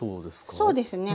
そうですね。